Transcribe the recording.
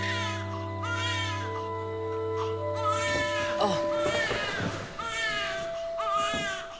・あっ。